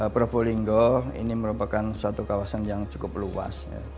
probolinggo ini merupakan satu kawasan yang cukup luas